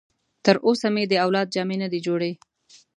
تر اوسه مې د اولاد جامې نه دي جوړې.